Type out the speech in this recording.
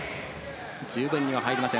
十分には入りません。